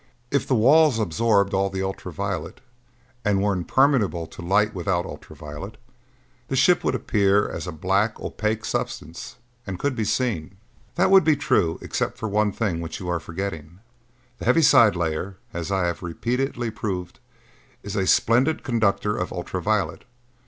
"If the walls absorbed all the ultra violet and were impermeable to light without ultra violet, the ship would appear as a black opaque substance and could be seen." "That would be true except for one thing which you are forgetting. The heaviside layer, as I have repeatedly proved, is a splendid conductor of ultra violet.